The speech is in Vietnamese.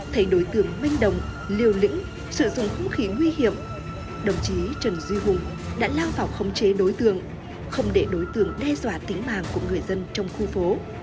thấy đối tượng manh đồng liều lĩnh sử dụng hung khí nguy hiểm đồng chí trần duy hùng đã lao vào khống chế đối tượng không để đối tượng đe dọa tính mạng của người dân trong khu phố